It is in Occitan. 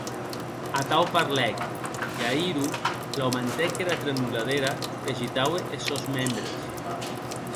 Atau parlèc; e a Iro l’aumentèc era tremoladera qu’agitaue es sòns membres.